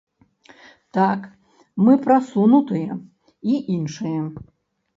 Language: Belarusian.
Так, мы прасунутыя і іншае.